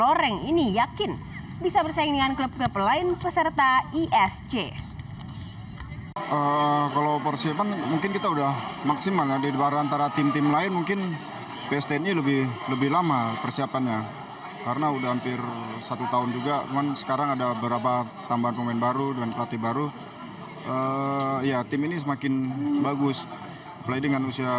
loreng ini yakin bisa bersaing dengan klub klub lain peserta isc